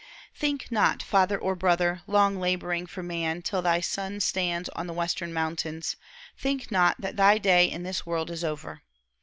Think not, father or brother, long laboring for man, till thy sun stands on the western mountains, think not that thy day in this world is over.